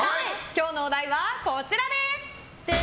今日のお題は、こちらです！